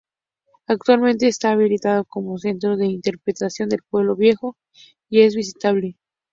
Actualmente está habilitado como Centro de Interpretación del Pueblo Viejo, y es visitable.